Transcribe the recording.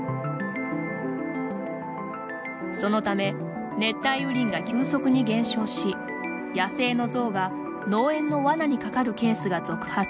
そのため熱帯雨林が急速に減少し野生の象が農園のわなにかかるケースが続発。